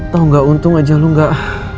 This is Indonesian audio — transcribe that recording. tau gak untung aja lu gak